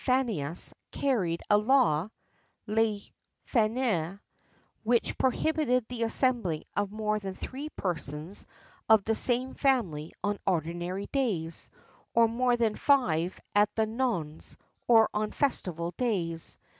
Fannius carried a law (Lex Fannia) which prohibited the assembling of more than three persons of the same family on ordinary days, or more than five at the nones, or on festival days.